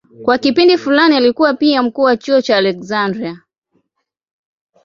Kwa kipindi fulani alikuwa pia mkuu wa chuo cha Aleksandria.